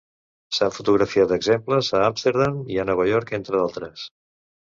S'han fotografiat exemples a Amsterdam i Nova York, entre d'altres.